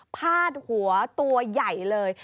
พาดหัวตัวใหญ่เลย